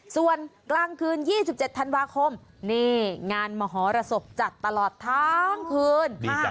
ส่วนกลางคืน๒๗ธันวาคมนี่งานมหรสบจัดตลอดทั้งคืน